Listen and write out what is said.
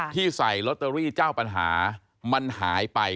ที่ใส่ลอตเตอรี่เจ้าปัญหามันหายไป